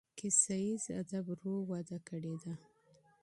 کیسه ییز ادب ورو وده کړې ده.